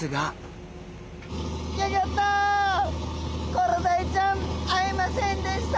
ギョギョッとコロダイちゃん会えませんでした。